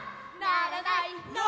「ならない」